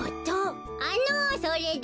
あのそれで？